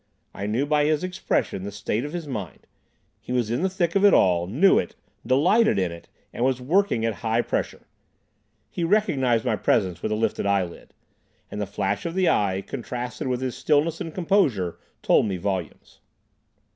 I knew by his expression the state of his mind. He was in the thick of it all, knew it, delighted in it, and was working at high pressure. He recognised my presence with a lifted eyelid, and the flash of the eye, contrasted with his stillness and composure, told me volumes.